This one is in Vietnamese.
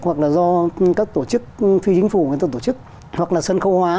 hoặc là do các tổ chức phi chính phủ người ta tổ chức hoặc là sân khâu hóa